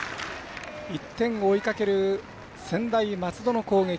１点を追いかける専大松戸の攻撃。